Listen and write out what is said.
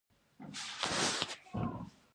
وچکالي قحطي راوړي